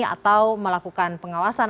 atau melakukan pengawasan